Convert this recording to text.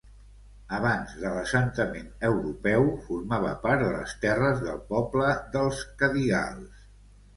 Abans de l'assentament europeu, formava part de les terres del poble dels cadigals.